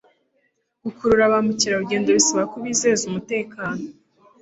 Gukurura ba mukerarugendo bisaba kubizeza umutekano